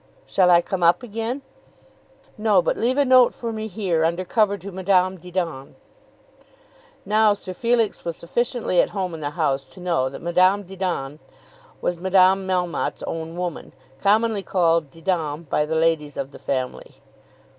"Shall I come up again?" "No; but leave a note for me here under cover to Madame Didon." Now Sir Felix was sufficiently at home in the house to know that Madame Didon was Madame Melmotte's own woman, commonly called Didon by the ladies of the family.